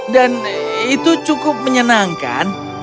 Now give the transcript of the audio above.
dan itu cukup menyenangkan